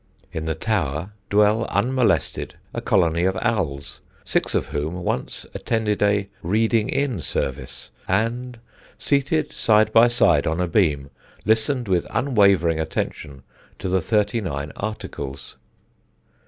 In the tower dwell unmolested a colony of owls, six of whom once attended a "reading in" service and, seated side by side on a beam, listened with unwavering attention to the Thirty Nine Articles.